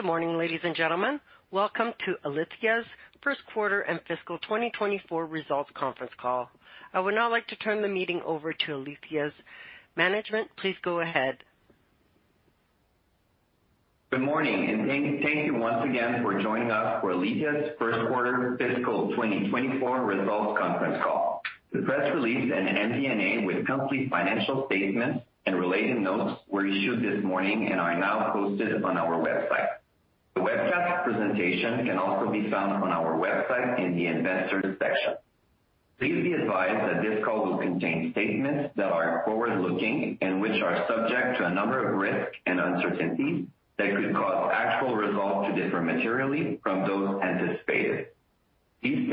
Good morning, ladies and gentlemen. Welcome to Alithya's first quarter and fiscal 2024 results conference call. I would now like to turn the meeting over to Alithya's management. Please go ahead. Good morning, thank you once again for joining us for Alithya's first quarter fiscal 2024 results conference call. The press release and MD&A with monthly financial statements and related notes were issued this morning and are now posted on our website. The webcast presentation can also be found on our website in the investors section. Please be advised that this call will contain statements that are forward-looking and which are subject to a number of risks and uncertainties that could cause actual results to differ materially from those anticipated. These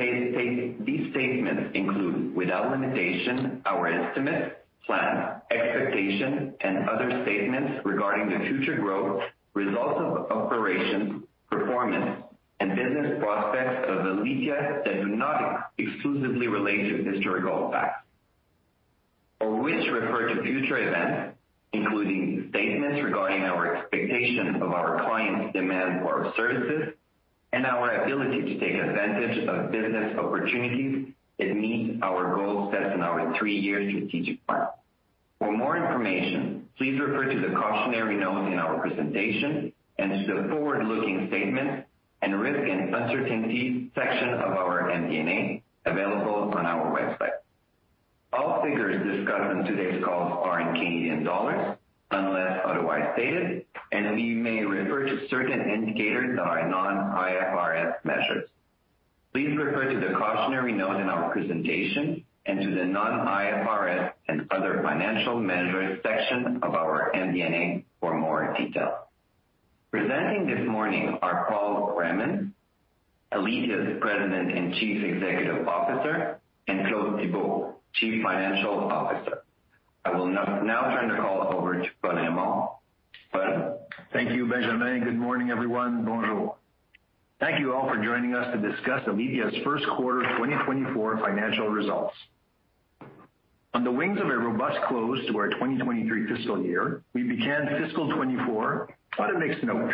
statements include, without limitation, our estimates, plans, expectations, and other statements regarding the future growth, results of operations, performance, and business prospects of Alithya that do not exclusively relate to historical facts, or which refer to future events, including statements regarding our expectation of our clients' demand for our services and our ability to take advantage of business opportunities that meet our goals set in our three -year strategic plan. For more information, please refer to the cautionary notes in our presentation and to the forward-looking statements and risk and uncertainties section of our MD&A available on our website. All figures discussed in today's calls are in Canadian dollars, unless otherwise stated. We may refer to certain indicators that are non-IFRS measures. Please refer to the cautionary notes in our presentation and to the non-IFRS and other financial measures section of our MD&A for more detail. Presenting this morning are Paul Raymond, Alithya's President and Chief Executive Officer, and Claude Thibault, Chief Financial Officer. I will now turn the call over to Paul Raymond. Thank you, Benjamin. Good morning, everyone. Bonjour. Thank you all for joining us to discuss Alithya's first quarter 2024 financial results. On the wings of a robust close to our 2023 fiscal year, we began fiscal 2024 on a mixed note.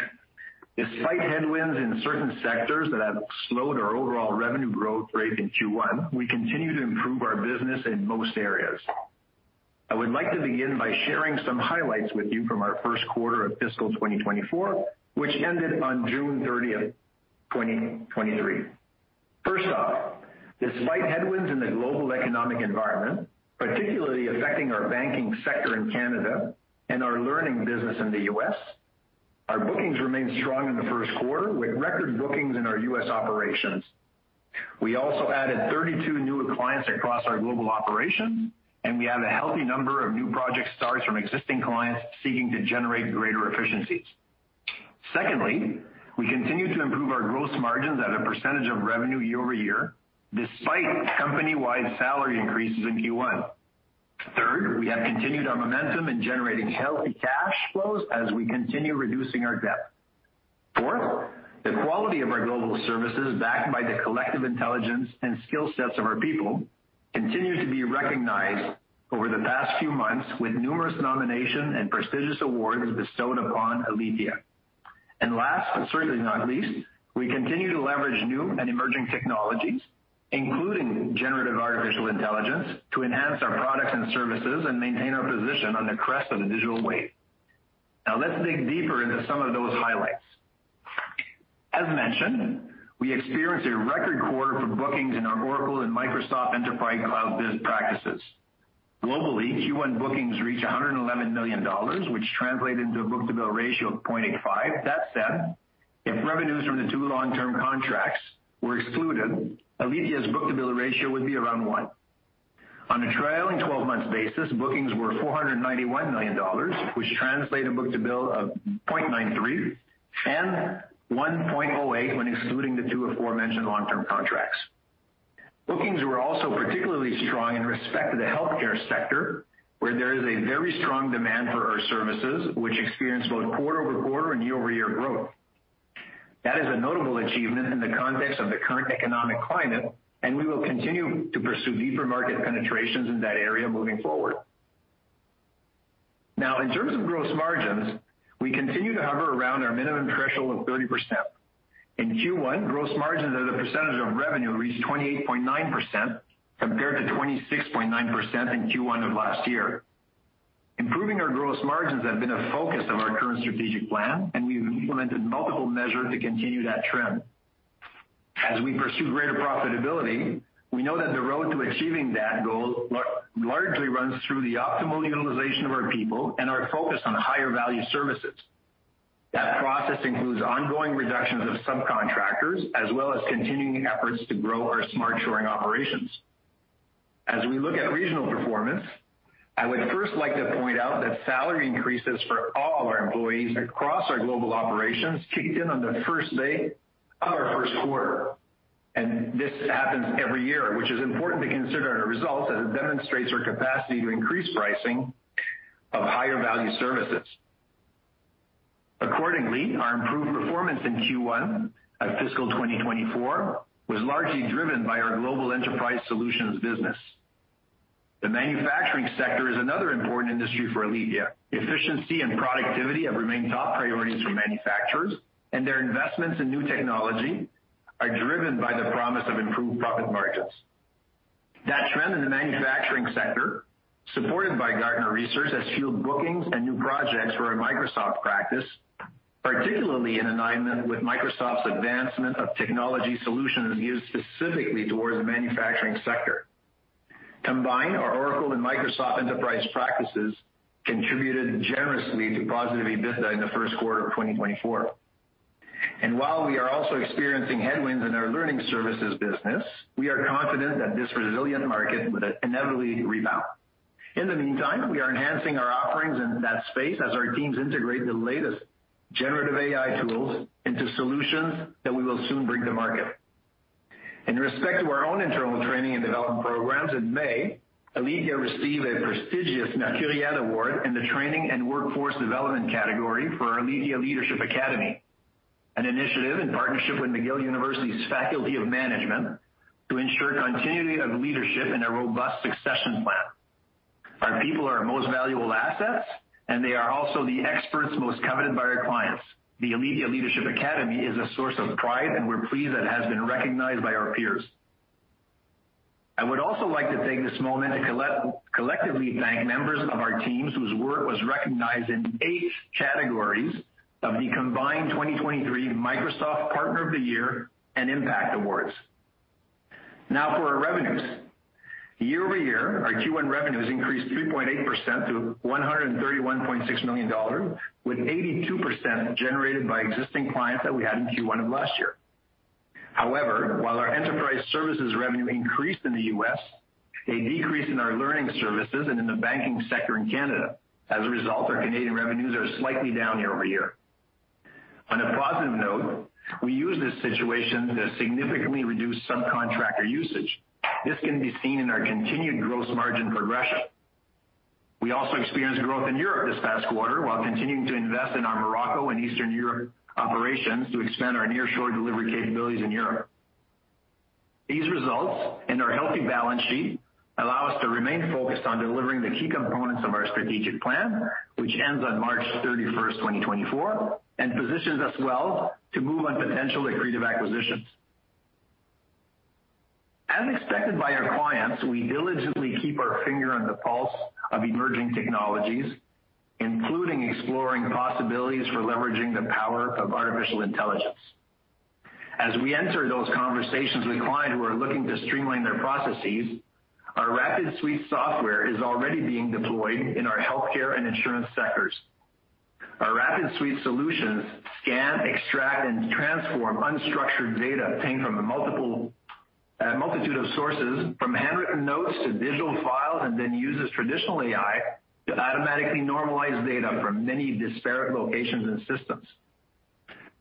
Despite headwinds in certain sectors that have slowed our overall revenue growth rate in Q1, we continue to improve our business in most areas. I would like to begin by sharing some highlights with you from our first quarter of fiscal 2024, which ended on June 30th, 2023. First off, despite headwinds in the global economic environment, particularly affecting our banking sector in Canada and our learning business in the U.S., our bookings remained strong in the first quarter, with record bookings in our U.S. operations. We also added 32 new clients across our global operations, and we have a healthy number of new projects started from existing clients seeking to generate greater efficiencies. Secondly, we continue to improve our gross margins at a percentage of revenue year-over-year, despite company-wide salary increases in Q1. Third, we have continued our momentum in generating healthy cash flows as we continue reducing our debt. Fourth, the quality of our global services, backed by the collective intelligence and skill sets of our people, continues to be recognized over the past few months with numerous nominations and prestigious awards bestowed upon Alithya. Last but certainly not least, we continue to leverage new and emerging technologies, including generative artificial intelligence, to enhance our products and services and maintain our position on the crest of the digital wave. Let's dig deeper into some of those highlights. As mentioned, we experienced a record quarter for bookings in our Oracle and Microsoft Enterprise Cloud Biz practices. Globally, Q1 bookings reached $111 million, which translated into a book-to-bill ratio of 0.85. That said, if revenues from the two long-term contracts were excluded, Alithya's book-to-bill ratio would be around 1. On a trailing 12-month basis, bookings were $491 million, which translated into a book-to-bill of 0.93 and 1.08 when excluding the two aforementioned long-term contracts. Bookings were also particularly strong in respect to the healthcare sector, where there is a very strong demand for our services, which experienced both quarter-over-quarter and year-over-year growth. That is a notable achievement in the context of the current economic climate, and we will continue to pursue deeper market penetrations in that area moving forward. Now, in terms of gross margins, we continue to hover around our minimum threshold of 30%. In Q1, gross margins at a percentage of revenue reached 28.9% compared to 26.9% in Q1 of last year. Improving our gross margins has been a focus of our current strategic plan, and we've implemented multiple measures to continue that trend. As we pursue greater profitability, we know that the road to achieving that goal largely runs through the optimal utilization of our people and our focus on higher-value services. That process includes ongoing reductions of subcontractors as well as continuing efforts to grow our smart shoring operations. As we look at regional performance, I would first like to point out that salary increases for all our employees across our global operations kicked in on the first day of our first quarter. This happens every year, which is important to consider in our results as it demonstrates our capacity to increase pricing of higher-value services. Accordingly, our improved performance in Q1 of fiscal 2024 was largely driven by our global enterprise solutions business. The manufacturing sector is another important industry for Alithya. Efficiency and productivity have remained top priorities for manufacturers, and their investments in new technology are driven by the promise of improved profit margins. That trend in the manufacturing sector, supported by Gartner research as fueled bookings and new projects for our Microsoft practice, particularly in alignment with Microsoft's advancement of technology solutions used specifically towards the manufacturing sector. Combined, our Oracle and Microsoft enterprise practices contributed generously to positive EBITDA in the first quarter of 2024. While we are also experiencing headwinds in our learning services business, we are confident that this resilient market would inevitably rebound. In the meantime, we are enhancing our offerings in that space as our teams integrate the latest generative AI tools into solutions that we will soon bring to market. In respect to our own internal training and development programs in May, Alithya received a prestigious Mercuriades award in the training and workforce development category for our Alithya Leadership Academy, an initiative in partnership with McGill University's Faculty of Management to ensure continuity of leadership and a robust succession plan. Our people are our most valuable assets, and they are also the experts most coveted by our clients. The Alithya Leadership Academy is a source of pride, and we're pleased that it has been recognized by our peers. I would also like to take this moment to collectively thank members of our teams whose work was recognized in eight categories of the combined 2023 Microsoft Partner of the Year and Microsoft Impact Awards. Now, for our revenues. Year-over-year, our Q1 revenues increased 3.8% to $131.6 million, with 82% generated by existing clients that we had in Q1 of last year. While our enterprise services revenue increased in the U.S., they decreased in our learning services and in the banking sector in Canada. As a result, our Canadian revenues are slightly down year-over-year. On a positive note, we used this situation to significantly reduce subcontractor usage. This can be seen in our continued gross margin progression. We also experienced growth in Europe this past quarter while continuing to invest in our Morocco and Eastern Europe operations to expand our nearshore delivery capabilities in Europe. These results and our healthy balance sheet allow us to remain focused on delivering the key components of our strategic plan, which ends on March 31st, 2024, and positions us well to move on potential accretive acquisitions. As expected by our clients, we diligently keep our finger on the pulse of emerging technologies, including exploring possibilities for leveraging the power of artificial intelligence. As we enter those conversations with clients who are looking to streamline their processes, our Rapid Suite software is already being deployed in our healthcare and insurance sectors. Our Rapid Suite solutions scan, extract, and transform unstructured data obtained from a multitude of sources, from handwritten notes to digital files, and then use traditional AI to automatically normalize data from many disparate locations and systems.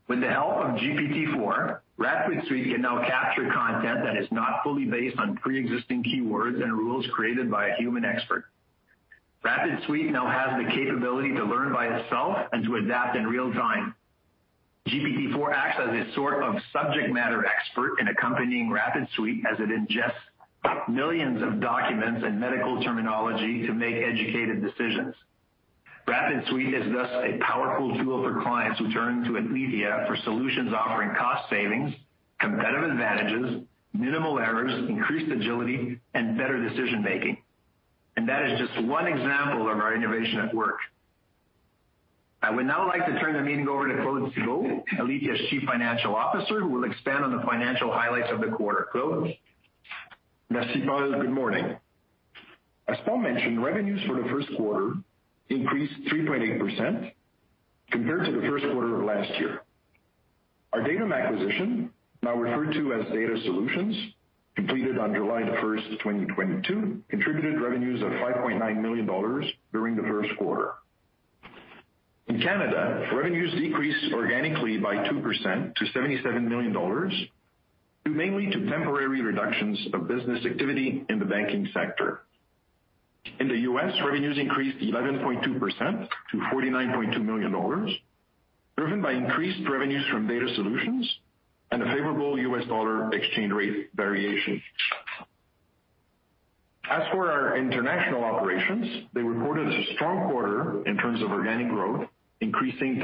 With the help of GPT-4, Rapid Suite can now capture content that is not fully based on pre-existing keywords and rules created by a human expert. Rapid Suite now has the capability to learn by itself and to adapt in real time. GPT-4 acts as a sort of subject matter expert in accompanying Rapid Suite as it ingests millions of documents and medical terminology to make educated decisions. Rapid Suite is thus a powerful tool for clients who turn to Alithya for solutions offering cost savings, competitive advantages, minimal errors, increased agility, and better decision-making. That is just one example of our innovation at work. I would now like to turn the meeting over to Claude Thibault, Alithya's Chief Financial Officer, who will expand on the financial highlights of the quarter. Claude? Merci Paul. Good morning. As Paul mentioned, revenues for the first quarter increased 3.8% compared to the first quarter of last year. Our Datum acquisition, now referred to as Data Solutions, completed on July 1st, 2022, contributed revenues of 5.9 million dollars during the first quarter. In Canada, revenues decreased organically by 2% to 77 million dollars, mainly to temporary reductions of business activity in the banking sector. In the U.S., revenues increased 11.2% to $49.2 million, driven by increased revenues from Data Solutions and a favorable U.S. dollar exchange rate variation. As for our international operations, they reported a strong quarter in terms of organic growth, increasing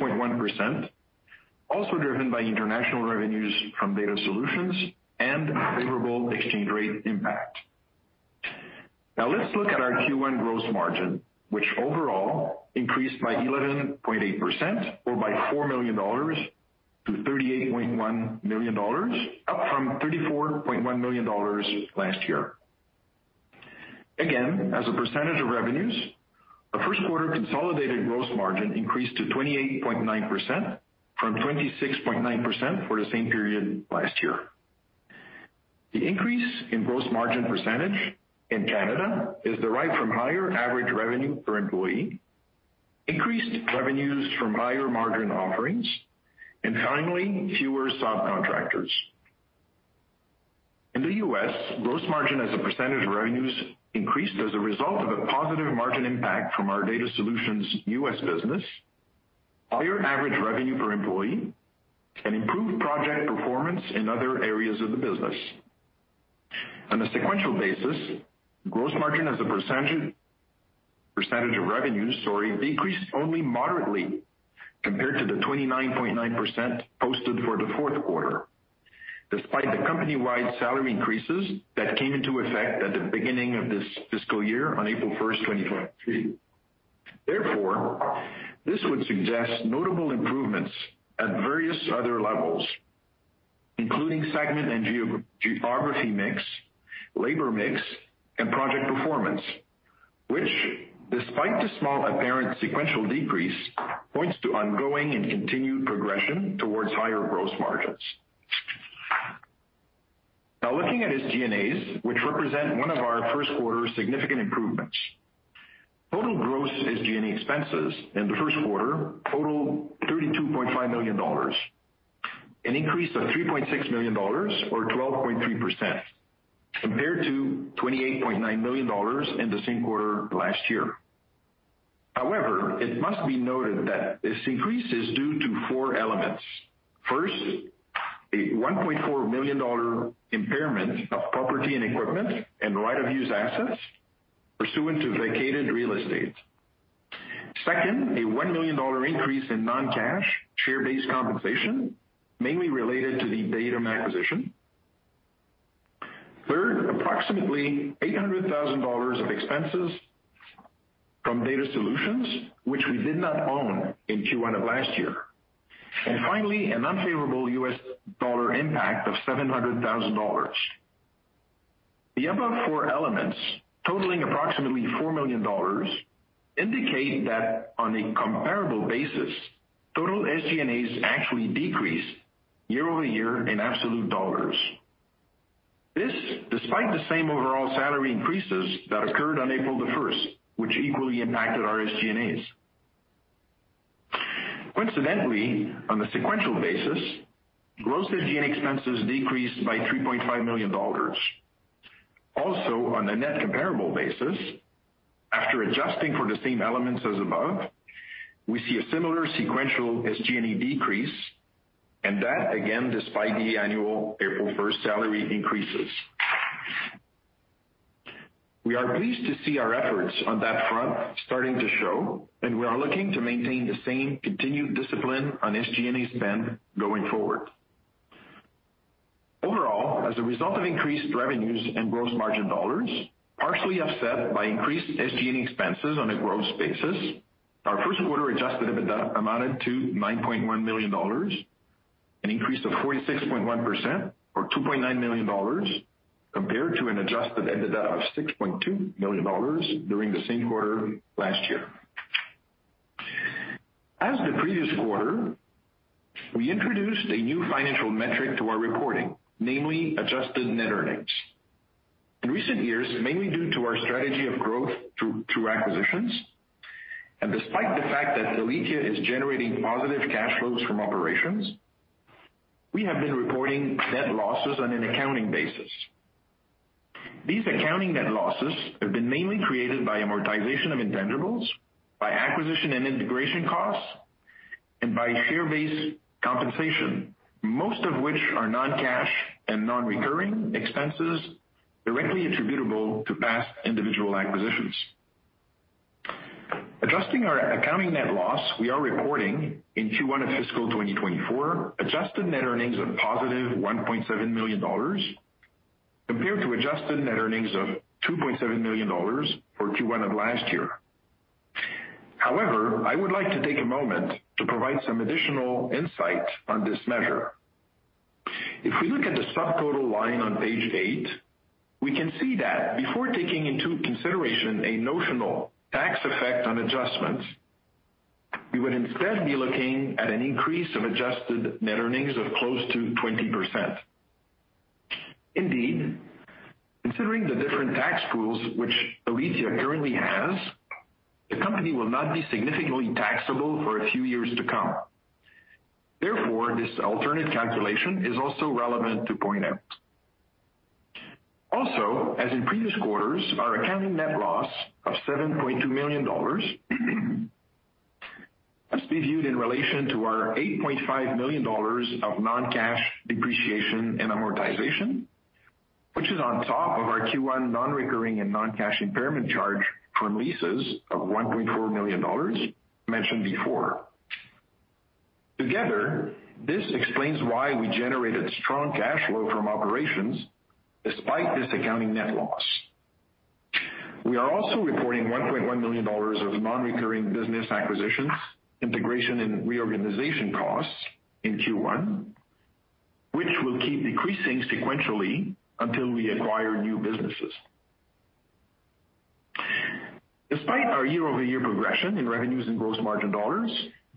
36.1%, also driven by international revenues from Data Solutions and favorable exchange rate impact. Now, let's look at our Q1 gross margin, which overall increased by 11.8% or by 4 million dollars to 38.1 million dollars, up from 34.1 million dollars last year. Again, as a percentage of revenues, our first quarter consolidated gross margin increased to 28.9% from 26.9% for the same period last year. The increase in gross margin percentage in Canada is derived from higher average revenue per employee, increased revenues from higher margin offerings, and finally, fewer subcontractors. In the U.S., gross margin as a percentage of revenues increased as a result of a positive margin impact from our Data Solutions U.S. business, higher average revenue per employee, and improved project performance in other areas of the business. On a sequential basis, gross margin as a percentage of revenues decreased only moderately compared to the 29.9% posted for the fourth quarter, despite the company-wide salary increases that came into effect at the beginning of this fiscal year on April 1st, 2023. Therefore, this would suggest notable improvements at various other levels, including segment and geography mix, labor mix, and project performance, which, despite the small apparent sequential decrease, points to ongoing and continued progression towards higher gross margins. Looking at SG&As, which represent one of our first quarter's significant improvements. Total gross SG&A expenses in the first quarter, total $32.5 million, an increase of $3.6 million or 12.3% compared to $28.9 million in the same quarter last year. However, it must be noted that this increase is due to four elements. First, a $1.4 million impairment of property and equipment and right-of-use assets pursuant to vacated real estate. Second, a $1 million increase in non-cash share-based compensation, mainly related to the datum acquisition. Third, approximately $800,000 of expenses from Data Solutions, which we did not own in Q1 of last year. Finally, an unfavorable U.S. dollar impact of $700,000. The above four elements, totaling approximately $4 million, indicate that on a comparable basis, total SG&As actually decreased year-over-year in absolute dollars. This despite the same overall salary increases that occurred on April 1st, which equally impacted our SG&As. Coincidentally, on a sequential basis, gross SG&A expenses decreased by $3.5 million. Also, on a net comparable basis, after adjusting for the same elements as above, we see a similar sequential SG&A decrease, and that again despite the annual April 1st salary increases. We are pleased to see our efforts on that front starting to show, and we are looking to maintain the same continued discipline on SG&A spend going forward. Overall, as a result of increased revenues and gross margin dollars, partially offset by increased SG&A expenses on a gross basis, our first quarter adjusted EBITDA amounted to $9.1 million, an increase of 46.1% or $2.9 million compared to an adjusted EBITDA of $6.2 million during the same quarter last year. As the previous quarter, we introduced a new financial metric to our reporting, namely Adjusted Net Earnings. In recent years, mainly due to our strategy of growth through acquisitions. Despite the fact that Alithya is generating positive cash flows from operations, we have been reporting net losses on an accounting basis. These accounting net losses have been mainly created by amortization of intangibles, by acquisition and integration costs, and by share-based compensation, most of which are non-cash and non-recurring expenses directly attributable to past individual acquisitions. Adjusting our accounting net loss, we are reporting in Q1 of fiscal 2024 Adjusted Net Earnings of positive $1.7 million compared to Adjusted Net Earnings of $2.7 million for Q1 of last year. However, I would like to take a moment to provide some additional insight on this measure. If we look at the subtotal line on page eight, we can see that before taking into consideration a notional tax effect on adjustments, we would instead be looking at an increase of Adjusted Net Earnings of close to 20%. Indeed, considering the different tax pools which Alithya currently has, the company will not be significantly taxable for a few years to come. Therefore, this alternate calculation is also relevant to point out. As in previous quarters, our accounting net loss of $7.2 million must be viewed in relation to our $8.5 million of non-cash depreciation and amortization, which is on top of our Q1 non-recurring and non-cash impairment charge from leases of $1.4 million mentioned before. Together, this explains why we generated strong cash flow from operations despite this accounting net loss. We are also reporting $1.1 million of non-recurring business acquisitions, integration, and reorganization costs in Q1, which will keep decreasing sequentially until we acquire new businesses. Despite our year-over-year progression in revenues and gross margin dollars,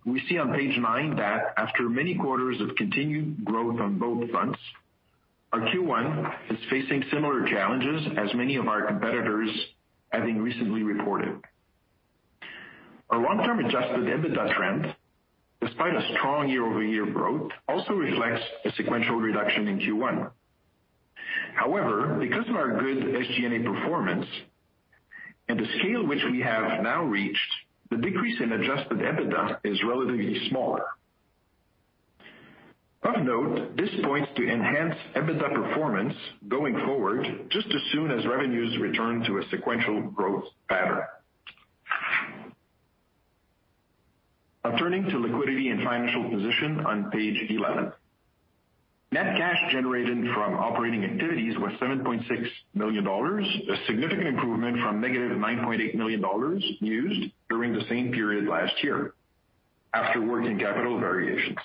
we see on page nine that after many quarters of continued growth on both fronts, our Q1 is facing similar challenges as many of our competitors having recently reported. Our long-term adjusted EBITDA trend, despite a strong year-over-year growth, also reflects a sequential reduction in Q1. However, because of our good SG&A performance and the scale which we have now reached, the decrease in adjusted EBITDA is relatively small. Of note, this points to enhanced EBITDA performance going forward just as soon as revenues return to a sequential growth pattern. Turning to liquidity and financial position on page 11. Net cash generated from operating activities was $7.6 million, a significant improvement from negative $9.8 million used during the same period last year after working capital variations.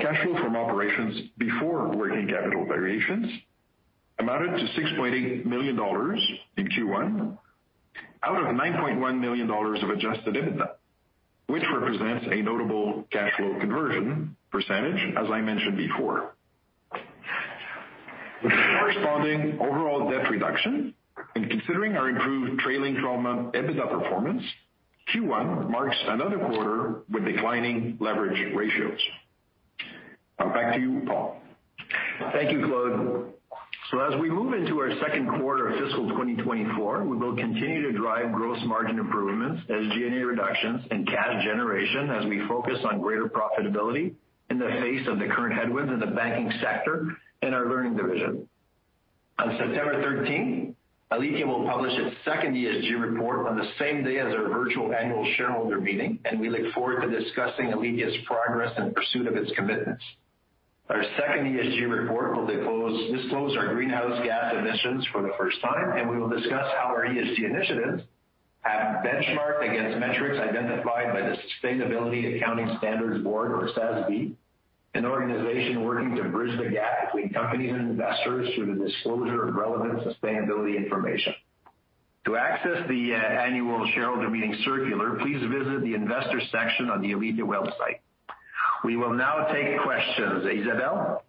Cash flow from operations before working capital variations amounted to $6.8 million in Q1 out of $9.1 million of adjusted EBITDA, which represents a notable cash flow conversion percentage, as I mentioned before. With corresponding overall debt reduction and considering our improved trailing 12-month EBITDA performance, Q1 marks another quarter with declining leverage ratios. Back to you, Paul. Thank you, Claude. As we move into our second quarter of fiscal 2024, we will continue to drive gross margin improvements, SG&A reductions, and cash generation as we focus on greater profitability in the face of the current headwinds in the banking sector and our learning division. On September 13th, Alithya will publish its second ESG report on the same day as our virtual annual shareholder meeting, and we look forward to discussing Alithya's progress in pursuit of its commitments. Our second ESG report will disclose our greenhouse gas emissions for the first time, and we will discuss how our ESG initiatives have benchmarked against metrics identified by the Sustainability Accounting Standards Board, or SASB, an organization working to bridge the gap between companies and investors through the disclosure of relevant sustainability information. To access the annual shareholder meeting circular, please visit the investor section on the Alithya website. We will now take questions. Isabelle?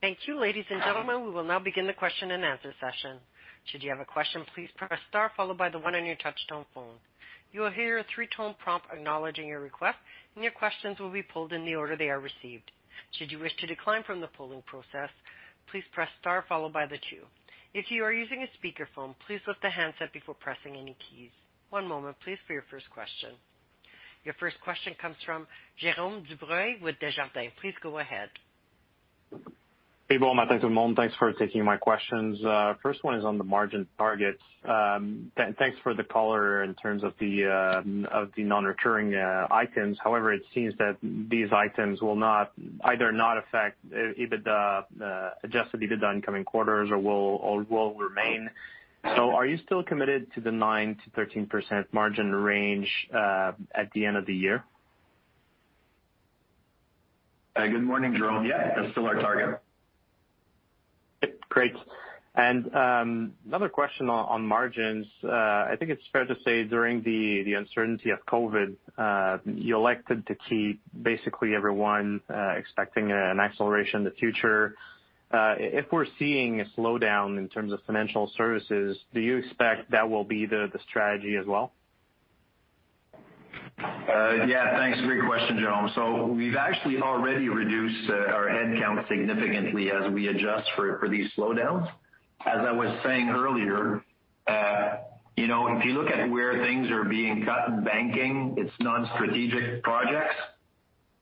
Thank you. Ladies and gentlemen, we will now begin the question and answer session. Should you have a question, please press star followed by the one on your Touch-Tone phone. You will hear a three-tone prompt acknowledging your request, and your questions will be pulled in the order they are received. Should you wish to decline from the polling process, please press star followed by the two. If you are using a speakerphone, please lift the handset before pressing any keys. One moment, please, for your first question. Your first question comes from Jérome Dubreuil with Desjardins. Please go ahead. Hey, Paul. My thanks to everyone. Thanks for taking my questions. First one is on the margin targets. Thanks for the caller in terms of the non-recurring items. However, it seems that these items will either not affect adjusted EBITDA in coming quarters or will remain. Are you still committed to the 9%-13% margin range at the end of the year? Good morning, Jérome. Yes, that's still our target. Yep. Great. Another question on margins. I think it's fair to say during the uncertainty of COVID, you elected to keep basically everyone expecting an acceleration in the future. If we're seeing a slowdown in terms of financial services, do you expect that will be the strategy as well? Yeah. Thanks. Great question, Jérome. We've actually already reduced our headcount significantly as we adjust for these slowdowns. As I was saying earlier, if you look at where things are being cut in banking, it's non-strategic projects.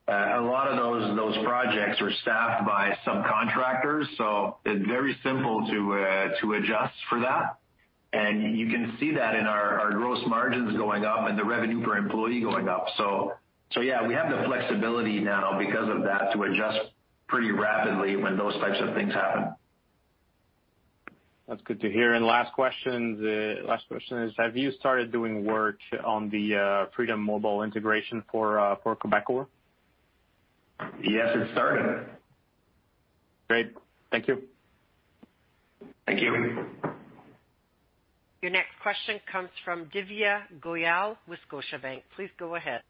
A lot of those projects are staffed by subcontractors, so it's very simple to adjust for that. You can see that in our gross margins going up and the revenue per employee going up. Yeah, we have the flexibility now because of that to adjust pretty rapidly when those types of things happen. That's good to hear. Last question is, have you started doing work on the Freedom Mobile integration for Quebecor? Yes, it's started. Great. Thank you. Thank you. Your next question comes from Divya Goyal, Scotiabank. Please go ahead.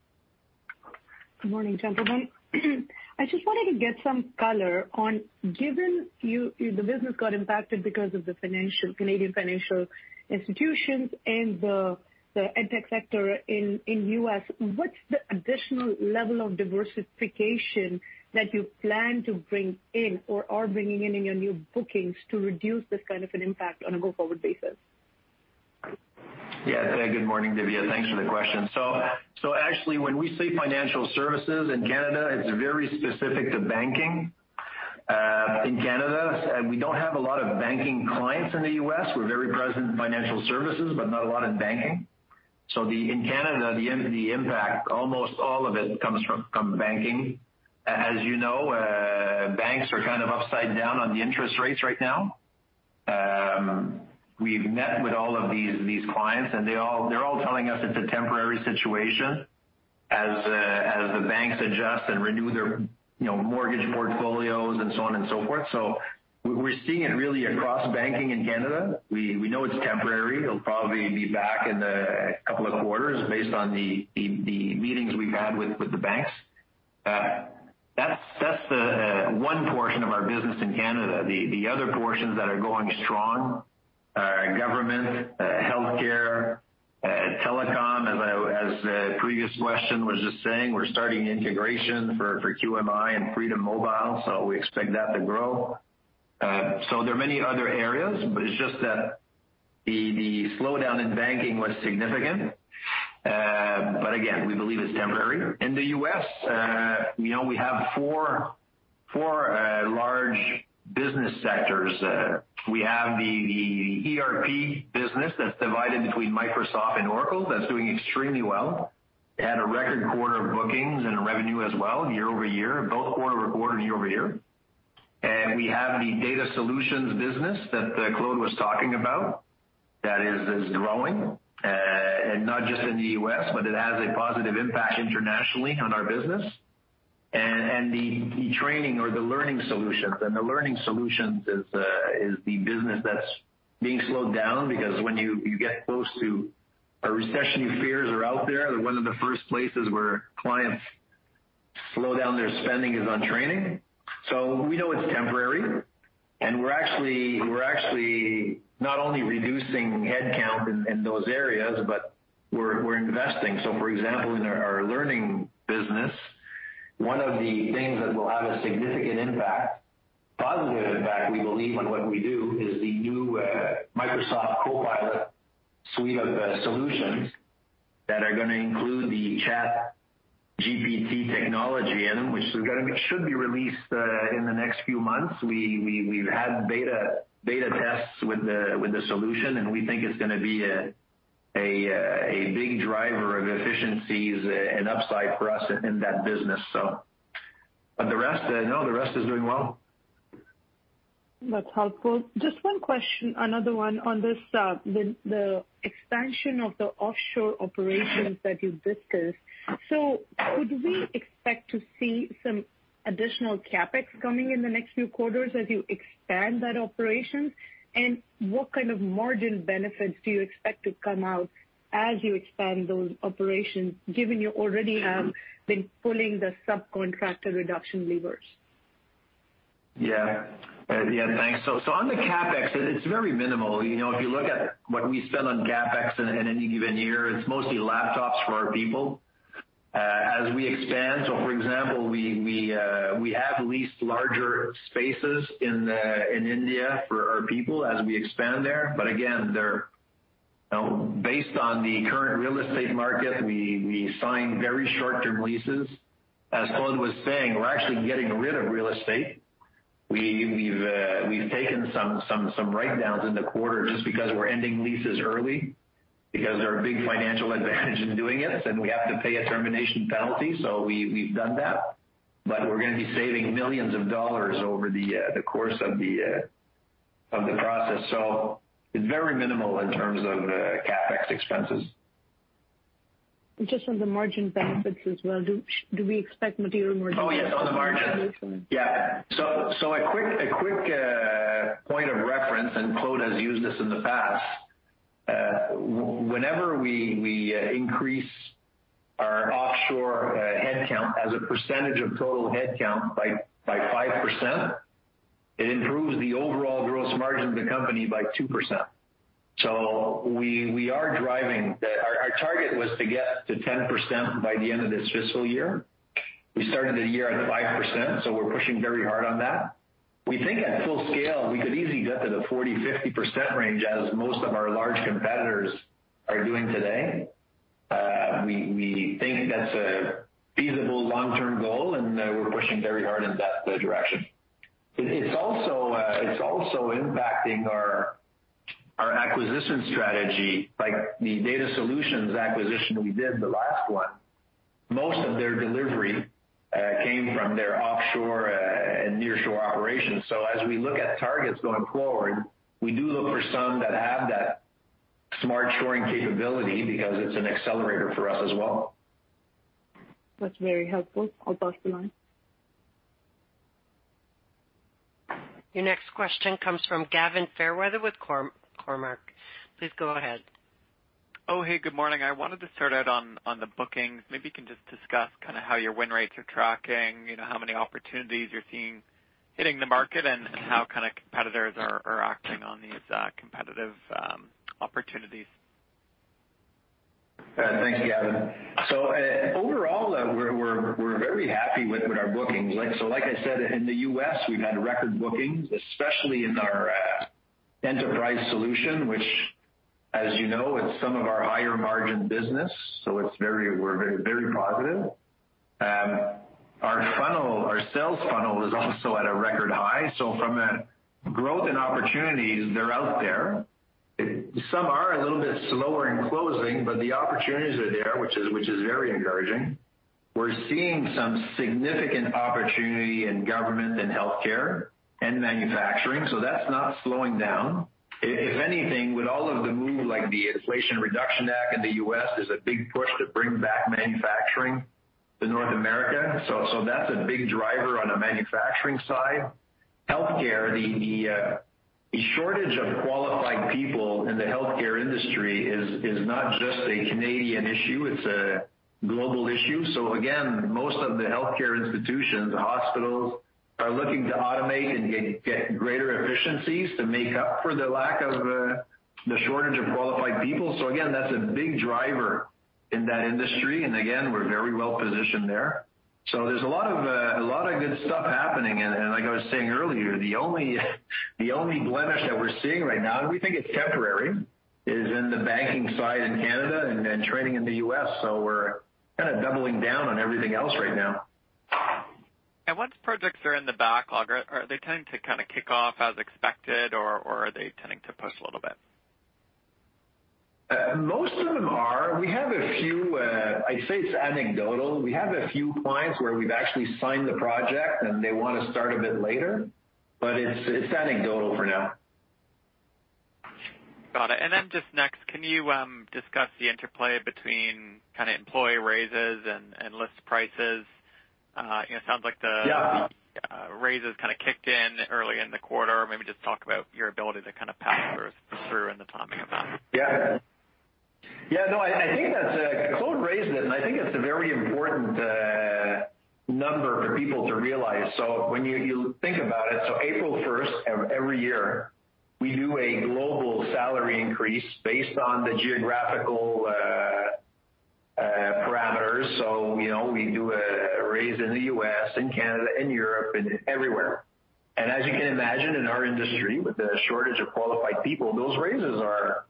Good morning, gentlemen. I just wanted to get some color on given the business got impacted because of the Canadian financial institutions and the edtech sector in the U.S., what's the additional level of diversification that you plan to bring in or are bringing in in your new bookings to reduce this kind of an impact on a go-forward basis? Yeah. Good morning, Divya. Thanks for the question. Actually, when we say financial services in Canada, it's very specific to banking. In Canada, we don't have a lot of banking clients in the U.S. We're very present in financial services, not a lot in banking. In Canada, the impact, almost all of it comes from banking. As you know, banks are kind of upside down on the interest rates right now. We've met with all of these clients, they're all telling us it's a temporary situation as the banks adjust and renew their mortgage portfolios and so on and so forth. We're seeing it really across banking in Canada. We know it's temporary. It'll probably be back in a couple of quarters based on the meetings we've had with the banks. That's one portion of our business in Canada. The other portions that are going strong are government, healthcare, telecom, as the previous question was just saying. We're starting integration for QMI and Freedom Mobile, so we expect that to grow. There are many other areas, but it's just that the slowdown in banking was significant. Again, we believe it's temporary. In the U.S., we have four large business sectors. We have the ERP business that's divided between Microsoft and Oracle that's doing extremely well. It had a record quarter of bookings and revenue as well year-over-year, both quarter-over-quarter and year-over-year. We have the data solutions business that Claude was talking about that is growing, and not just in the U.S., but it has a positive impact internationally on our business. The training or the learning solutions, and the learning solutions is the business that's being slowed down because when you get close to a recession, your fears are out there. One of the first places where clients slow down their spending is on training. We know it's temporary, and we're actually not only reducing headcount in those areas, but we're investing. For example, in our learning business, one of the things that will have a significant impact, positive impact, we believe, on what we do is the new Microsoft Copilot suite of solutions that are going to include the ChatGPT technology in them, which should be released in the next few months. We've had beta tests with the solution, and we think it's going to be a big driver of efficiencies and upside for us in that business, so. No, the rest is doing well. That's helpful. Just one question, another one, on the expansion of the offshore operations that you've discussed. Could we expect to see some additional CapEx coming in the next few quarters as you expand that operation? What kind of margin benefits do you expect to come out as you expand those operations, given you already have been pulling the subcontractor reduction levers? Yeah. Yeah. Thanks. On the CapEx, it's very minimal. If you look at what we spend on CapEx in any given year, it's mostly laptops for our people as we expand. For example, we have leased larger spaces in India for our people as we expand there. Again, based on the current real estate market, we sign very short-term leases. As Claude was saying, we're actually getting rid of real estate. We've taken some write-downs in the quarter just because we're ending leases early because there are big financial advantages in doing it, and we have to pay a termination penalty. We've done that. We're going to be saving millions of dollars over the course of the process. It's very minimal in terms of CapEx expenses. Just on the margin benefits as well, do we expect material margin reduction? Oh, yes. On the margins. Yeah. A quick point of reference, and Claude has used this in the past, whenever we increase our offshore headcount as a percentage of total headcount by 5%, it improves the overall gross margin of the company by 2%. We are driving our target was to get to 10% by the end of this fiscal year. We started the year at 5%, so we're pushing very hard on that. We think at full scale, we could easily get to the 40%-50% range as most of our large competitors are doing today. We think that's a feasible long-term goal, and we're pushing very hard in that direction. It's also impacting our acquisition strategy. The data solutions acquisition we did, the last one, most of their delivery came from their offshore and nearshore operations. As we look at targets going forward, we do look for some that have that smart shoring capability because it's an accelerator for us as well. That's very helpful. I'll pass the line. Your next question comes from Gavin Fairweather with Cormark. Please go ahead. Oh, hey. Good morning. I wanted to start out on the bookings. Maybe you can just discuss kind of how your win rates are tracking, how many opportunities you're seeing hitting the market, and how kind of competitors are acting on these competitive opportunities. Thanks, Gavin. Overall, we're very happy with our bookings. Like I said, in the U.S., we've had record bookings, especially in our enterprise solution, which, as you know, it's some of our higher-margin business, so we're very positive. Our sales funnel is also at a record high. From a growth in opportunities, they're out there. Some are a little bit slower in closing, but the opportunities are there, which is very encouraging. We're seeing some significant opportunity in government and healthcare and manufacturing, so that's not slowing down. If anything, with all of the move, the Inflation Reduction Act in the U.S. is a big push to bring back manufacturing to North America, so that's a big driver on the manufacturing side. Healthcare, the shortage of qualified people in the healthcare industry is not just a Canadian issue. It's a global issue. Again, most of the healthcare institutions, hospitals, are looking to automate and get greater efficiencies to make up for the shortage of qualified people. Again, that's a big driver in that industry. Again, we're very well positioned there. There's a lot of good stuff happening. Like I was saying earlier, the only blemish that we're seeing right now, and we think it's temporary, is in the banking side in Canada and training in the U.S. We're kind of doubling down on everything else right now. What projects are in the backlog? Are they tending to kind of kick off as expected, or are they tending to push a little bit? Most of them are. We have a few I'd say it's anecdotal. We have a few clients where we've actually signed the project, and they want to start a bit later, but it's anecdotal for now. Got it. Then just next, can you discuss the interplay between kind of employee raises and list prices? It sounds like the raises kind of kicked in early in the quarter. Maybe just talk about your ability to kind of pass through and the timing of that. Yeah. Yeah. I think that's a Claude raised it, and I think it's a very important number for people to realize. When you think about it, so April 1st every year, we do a global salary increase based on the geographical parameters. We do a raise in the U.S., in Canada, in Europe, and everywhere. As you can imagine, in our industry, with the shortage of qualified people, those raises are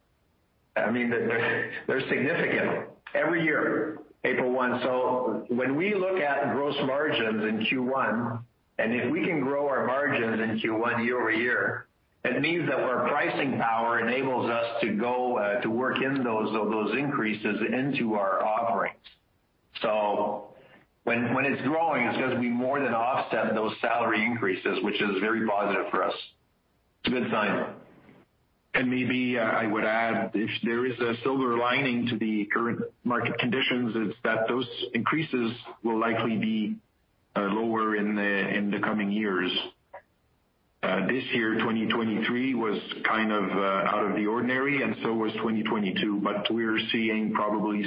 I mean, they're significant every year, April 1st. When we look at gross margins in Q1, if we can grow our margins in Q1 year-over-year, it means that our pricing power enables us to work in those increases into our offerings. When it's growing, it's because we more than offset those salary increases, which is very positive for us. It's a good sign. Maybe I would add, if there is a silver lining to the current market conditions, it's that those increases will likely be lower in the coming years. This year, 2023, was kind of out of the ordinary, and so was 2022. We're seeing probably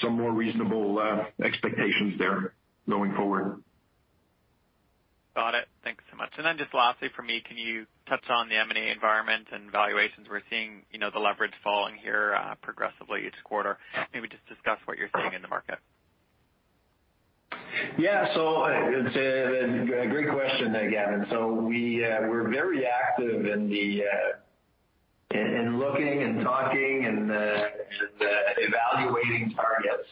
some more reasonable expectations there going forward. Got it. Thanks so much. Then just lastly for me, can you touch on the M&A environment and valuations? We're seeing the leverage falling here progressively each quarter. Maybe just discuss what you're seeing in the market. Yeah. It's a great question there, Gavin. We're very active in looking and talking and evaluating targets.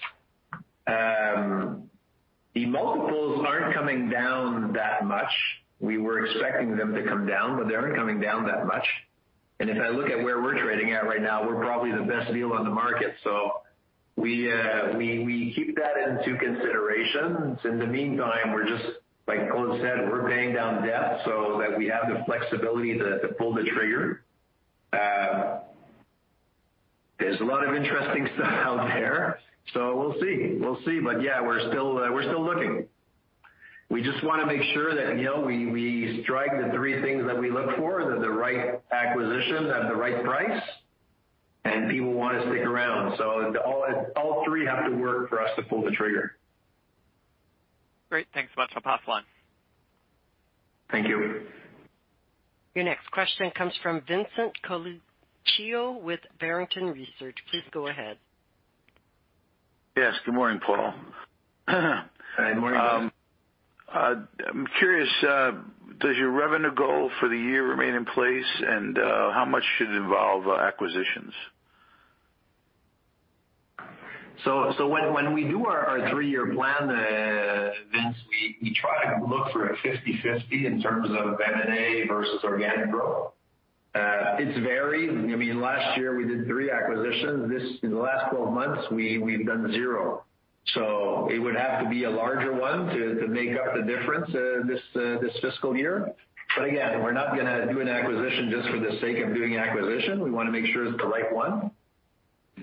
The multiples aren't coming down that much. We were expecting them to come down, but they aren't coming down that much. If I look at where we're trading at right now, we're probably the best deal on the market. We keep that into consideration. In the meantime, like Claude said, we're paying down debt so that we have the flexibility to pull the trigger. There's a lot of interesting stuff out there, so we'll see. We'll see. Yeah, we're still looking. We just want to make sure that we strike the three things that we look for, that the right acquisition at the right price, and people want to stick around. All three have to work for us to pull the trigger. Great. Thanks so much. I'll pass the line. Thank you. Your next question comes from Vincent Colicchio with Barrington Research. Please go ahead. Yes. Good morning, Paul. Hi. Morning, David. I'm curious, does your revenue goal for the year remain in place, and how much should it involve acquisitions? When we do our three-year plan, Vince, we try to look for a 50/50 in terms of M&A versus organic growth. It varies. I mean, last year, we did three acquisitions. In the last 12 months, we've done zero. It would have to be a larger one to make up the difference this fiscal year. Again, we're not going to do an acquisition just for the sake of doing acquisition. We want to make sure it's the right one.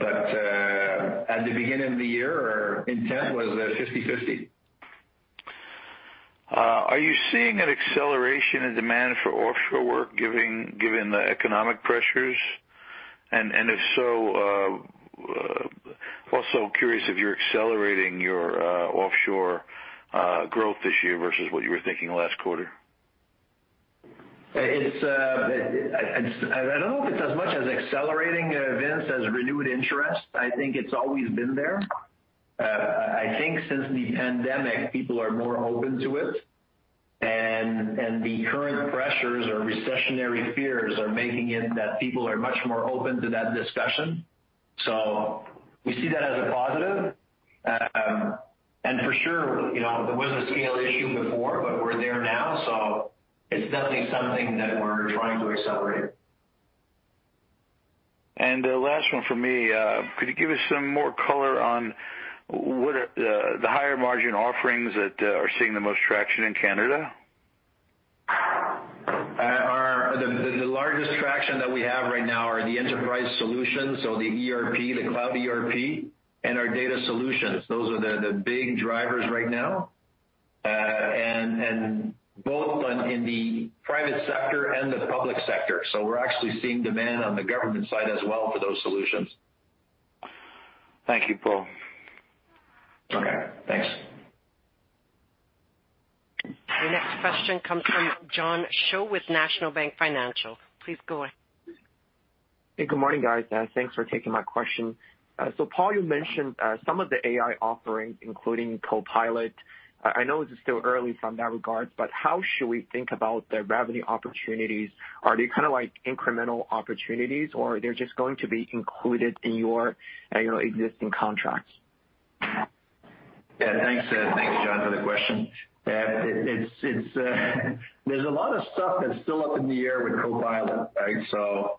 At the beginning of the year, our intent was 50/50. Are you seeing an acceleration in demand for offshore work given the economic pressures? If so, also curious if you're accelerating your offshore growth this year versus what you were thinking last quarter? I don't know if it's as much as accelerating, Vince, as renewed interest. I think it's always been there. I think since the pandemic, people are more open to it, and the current pressures or recessionary fears are making it that people are much more open to that discussion. We see that as a positive. For sure, there was a scale issue before, but we're there now. It's definitely something that we're trying to accelerate. The last one for me, could you give us some more color on the higher-margin offerings that are seeing the most traction in Canada? The largest traction that we have right now are the enterprise solutions, so the ERP, the cloud ERP, and our data solutions. Those are the big drivers right now, both in the private sector and the public sector. We're actually seeing demand on the government side as well for those solutions. Thank you, Paul. Okay. Thanks. Your next question comes from John Shaw with National Bank Financial. Please go ahead. Hey. Good morning, guys. Thanks for taking my question. Paul, you mentioned some of the AI offerings, including Copilot. I know it's still early from that regard, but how should we think about the revenue opportunities? Are they kind of incremental opportunities, or are they just going to be included in your existing contracts? Yeah. Thanks, John, for the question. There's a lot of stuff that's still up in the air with Copilot, right? The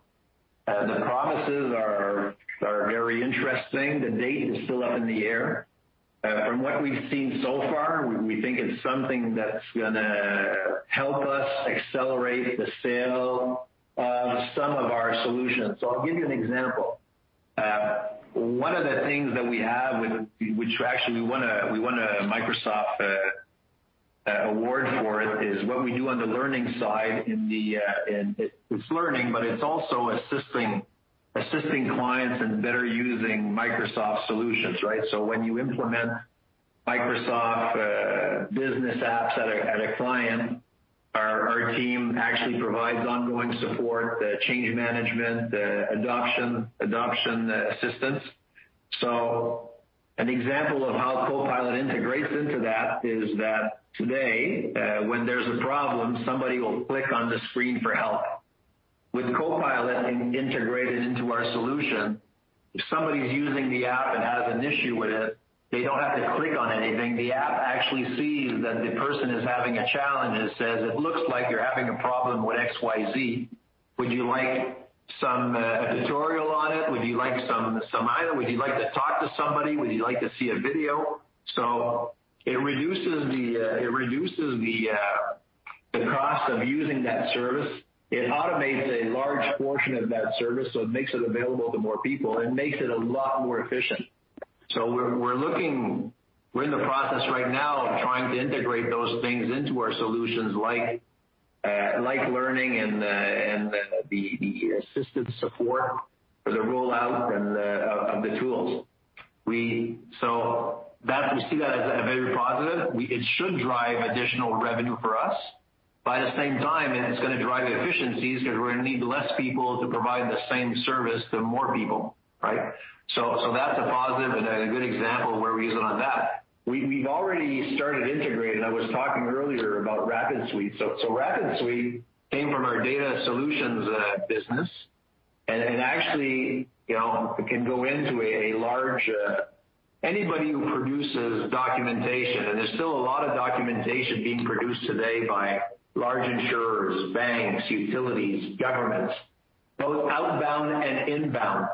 promises are very interesting. The date is still up in the air. From what we've seen so far, we think it's something that's going to help us accelerate the sale of some of our solutions. I'll give you an example. One of the things that we have, which actually we won a Microsoft award for it, is what we do on the learning side in the it's learning, but it's also assisting clients in better using Microsoft solutions, right? When you implement Microsoft Business apps at a client, our team actually provides ongoing support, change management, adoption assistance. An example of how Copilot integrates into that is that today, when there's a problem, somebody will click on the screen for help. With Copilot integrated into our solution, if somebody's using the app and has an issue with it, they don't have to click on anything. The app actually sees that the person is having a challenge and says, "It looks like you're having a problem with XYZ. Would you like some tutorial on it? Would you like some item? Would you like to talk to somebody? Would you like to see a video?" It reduces the cost of using that service. It automates a large portion of that service, so it makes it available to more people, and it makes it a lot more efficient. We're in the process right now of trying to integrate those things into our solutions, like learning and the assisted support for the rollout of the tools. We see that as very positive. It should drive additional revenue for us. By the same time, it's going to drive efficiencies because we're going to need less people to provide the same service to more people, right? That's a positive and a good example of where we use it on that. We've already started integrating. I was talking earlier about Rapid Suite. Rapid Suite came from our data solutions business and actually can go into anybody who produces documentation. There's still a lot of documentation being produced today by large insurers, banks, utilities, governments, both outbound and inbound.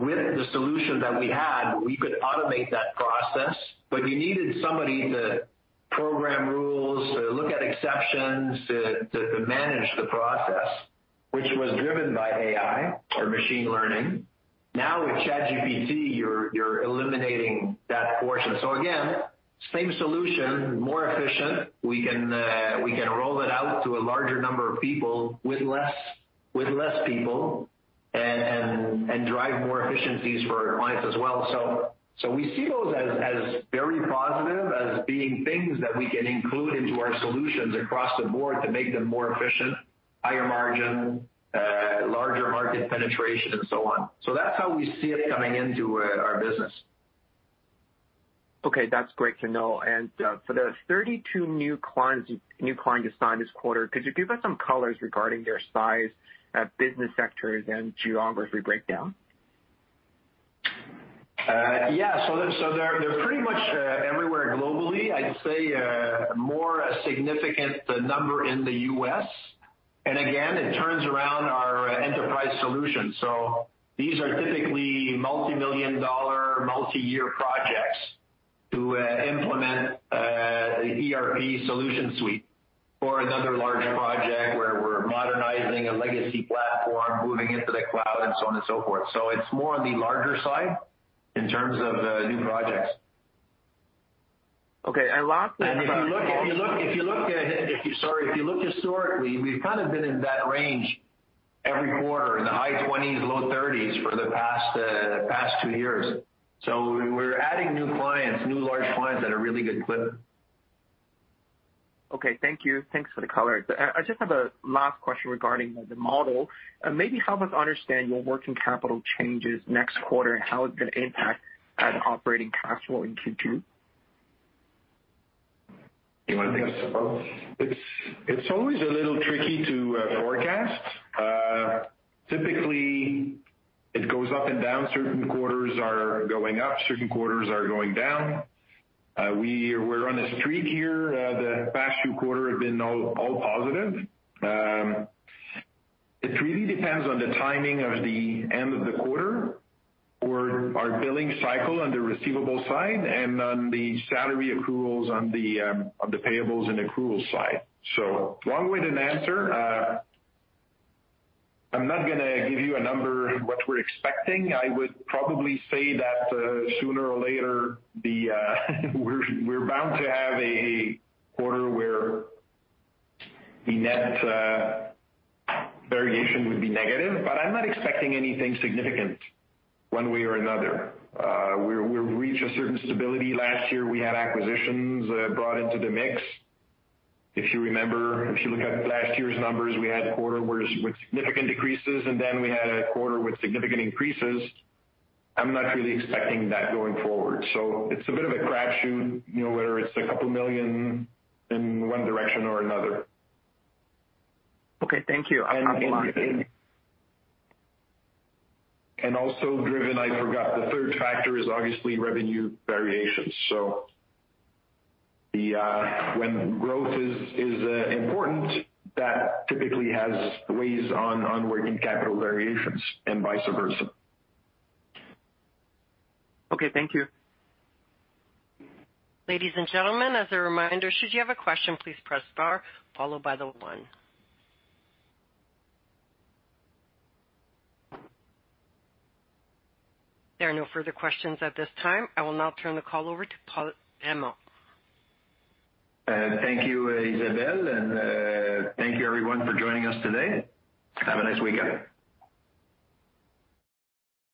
With the solution that we had, we could automate that process, but you needed somebody to program rules, to look at exceptions, to manage the process, which was driven by AI or machine learning. Now with ChatGPT, you're eliminating that portion. Again, same solution, more efficient. We can roll it out to a larger number of people with less people and drive more efficiencies for our clients as well. We see those as very positive, as being things that we can include into our solutions across the board to make them more efficient, higher margin, larger market penetration, and so on. That's how we see it coming into our business. Okay. That's great to know. For the 32 new clients you signed this quarter, could you give us some colors regarding their size, business sectors, and geography breakdown? Yeah. They're pretty much everywhere globally. I'd say more a significant number in the U.S. Again, it turns around our enterprise solutions. These are typically multimillion-dollar, multiyear projects to implement the ERP solution suite for another large project where we're modernizing a legacy platform, moving into the cloud, and so on and so forth. It's more on the larger side in terms of new projects. Okay. lastly about. If you look at sorry, if you look historically, we've kind of been in that range every quarter, in the high 20s, low 30s for the past two years. We're adding new clients, new large clients that are really good clipping. Okay. Thank you. Thanks for the color. I just have a last question regarding the model. Maybe help us understand your working capital changes next quarter and how it's going to impact operating cash flow in Q2. Do you want to take that, Claude? It's always a little tricky to forecast. Typically, it goes up and down. Certain quarters are going up. Certain quarters are going down. We're on a streak here. The past few quarters have been all positive. It really depends on the timing of the end of the quarter or our billing cycle on the receivable side and on the salary accruals on the payables and accruals side. Long-winded answer, I'm not going to give you a number, what we're expecting. I would probably say that sooner or later, we're bound to have a quarter where the net variation would be negative. I'm not expecting anything significant one way or another. We've reached a certain stability. Last year, we had acquisitions brought into the mix. If you remember, if you look at last year's numbers, we had a quarter with significant decreases. Then we had a quarter with significant increases. I'm not really expecting that going forward. It's a bit of a crapshoot, whether it's $2 million in one direction or another. Okay. Thank you. I'll now pass the line. Thanks. Also driven, I forgot, the third factor is obviously revenue variations. When growth is important, that typically has weights on working capital variations and vice versa. Okay. Thank you. Ladies and gentlemen, as a reminder, should you have a question, please press star followed by the one. There are no further questions at this time. I will now turn the call over to Paul Raymond. Thank you, Isabelle. Thank you, everyone, for joining us today. Have a nice weekend.